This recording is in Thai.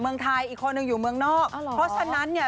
เมืองไทยอีกคนหนึ่งอยู่เมืองนอกเพราะฉะนั้นเนี่ย